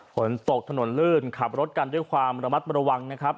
ฝนตกถนนลื่นขับรถกันด้วยความระมัดระวังนะครับ